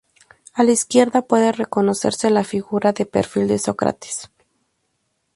A la izquierda puede reconocerse la figura de perfil de Sócrates.